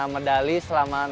enam medali selama